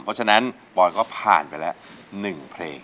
เพราะฉะนั้นปอนก็ผ่านไปแล้ว๑เพลง